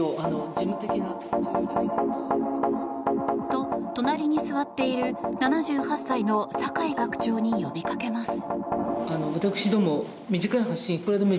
と、隣に座っている７８歳の酒井学長に呼びかけます。